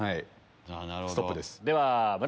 ストップ！です。